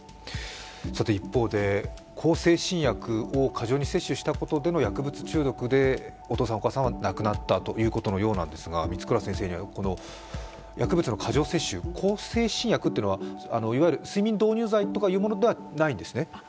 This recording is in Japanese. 一方で、向精神薬を過剰に摂取したことでの薬物中毒でお父さん、お母さんは亡くなったということのようなんですが満倉先生に、薬物の過剰摂取、向精神薬というのはいわゆる睡眠導入剤というものではないんですね？